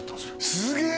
すげえ！